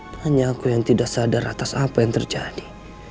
hanya aku yang tidak sadar atas apa yang terjadi